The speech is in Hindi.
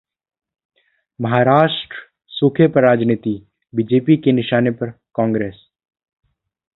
महाराष्ट्र सूखे पर 'राजनीति', बीजेपी के निशाने पर कांग्रेस